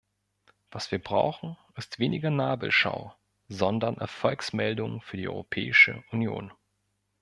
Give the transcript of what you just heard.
Was wir brauchen, ist weniger Nabelschau, sondern Erfolgsmeldungen für die Europäische Union.